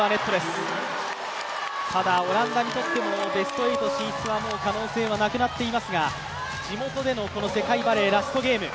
オランダにとってもベスト８進出は、可能性はなくなっていますが地元での世界バレーラストゲーム。